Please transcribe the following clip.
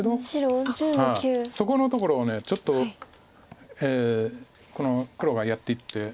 そこのところをちょっとこの黒がやっていって。